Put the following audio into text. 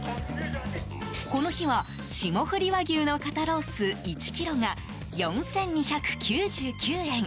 この日は、霜降り和牛の肩ロース１ｋｇが４２９９円。